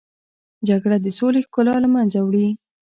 جګړه د سولې ښکلا له منځه وړي